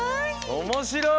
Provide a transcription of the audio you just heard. おもしろい！